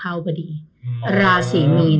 เพราะฉะนั้นเนี่ยอาจจะต้องระวังเรื่องของสุขภาพด้วย